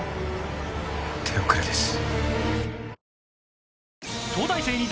手遅れです。